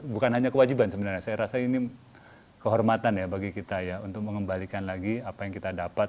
bukan hanya kewajiban sebenarnya saya rasa ini kehormatan ya bagi kita ya untuk mengembalikan lagi apa yang kita dapat